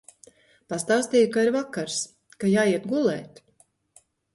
Pastāstīju, ka ir vakars, ka jāiet gulēt.